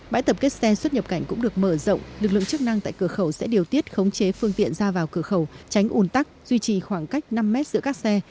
bãi tập kết xe xuất nhập cảnh cũng được mở rộng lực lượng chức năng tại cửa khẩu sẽ điều tiết khống chế phương tiện ra vào cửa khẩu tránh ủn tắc duy trì khoảng cách năm mét giữa các xe